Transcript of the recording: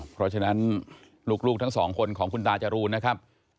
เพราะฉะนั้นลูกทั้งสองคนของคุณตาจรูนนะครับ